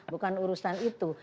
bukan urusan itu